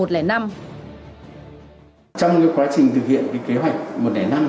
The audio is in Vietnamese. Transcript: trong quá trình thực hiện kế hoạch một trăm linh năm